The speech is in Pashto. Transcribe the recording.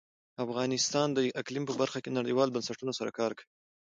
افغانستان د اقلیم په برخه کې نړیوالو بنسټونو سره کار کوي.